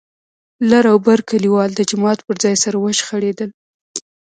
لر او بر کليوال د جومات پر ځای سره وشخړېدل.